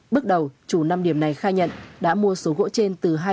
bước đầu chủ năm điểm này khai nhận đã mua số gỗ trên từ hai đầu đầu